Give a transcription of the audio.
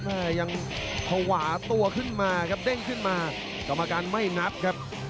แม่ยังภาวะตัวขึ้นมาครับเด้งขึ้นมากรรมการไม่นับครับ